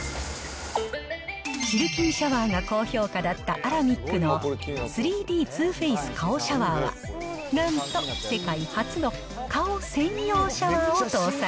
シルキンシャワーが高評価だったアラミックの３Ｄ２Ｆａｃｅ顔シャワーは、なんと世界初顔専用シャワーを搭載。